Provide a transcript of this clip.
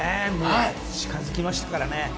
もう近づきましたからね。